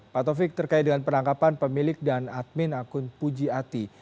pak taufik terkait dengan penangkapan pemilik dan admin akun puji ati